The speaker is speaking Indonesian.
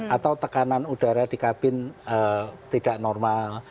atau tekanan udara di kabin tidak normal